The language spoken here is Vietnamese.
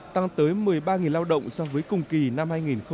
tăng tới một mươi ba lao động so với cùng kỳ năm hai nghìn một mươi chín